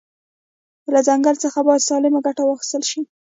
له ځنګل ځخه باید سالمه ګټه واخیستل شي